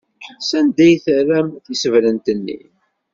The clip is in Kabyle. Sanda ay terram tisebrent-nni?